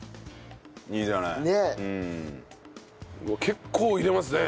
結構入れますね。